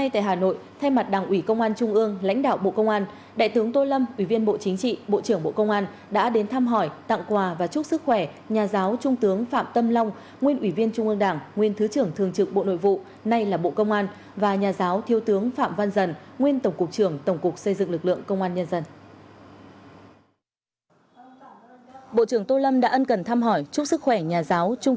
trước mặt đảng ủy công an trung ương lãnh đạo bộ công an đại tướng tô lâm ủy viên bộ chính trị bộ trưởng bộ công an đã đến thăm hỏi tặng quà và chúc sức khỏe nhà giáo trung tướng phạm tâm long nguyên ủy viên trung ương đảng nguyên thứ trưởng thường trực bộ nội vụ nay là bộ công an và nhà giáo thiêu tướng phạm văn dần nguyên tổng cục trưởng tổng cục xây dựng lực lượng công an nhân dân